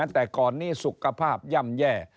แต่ก่อนนี้สุขภาพย่ำแย่